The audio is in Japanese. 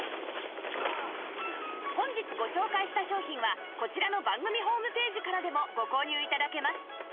本日ご紹介した商品はこちらの番組ホームページからでもご購入頂けます